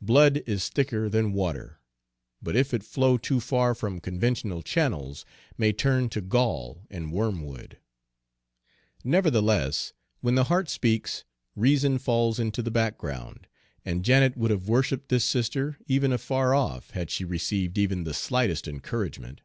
Blood is thicker than water, but, if it flow too far from conventional channels, may turn to gall and wormwood. Nevertheless, when the heart speaks, reason falls into the background, and Janet would have worshiped this sister, even afar off, had she received even the slightest encouragement.